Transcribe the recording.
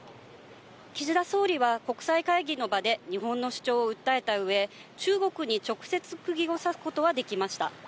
岸田総理は国際会議の場で、日本の主張を訴えたうえ、中国に直接、くぎを刺すことはできました。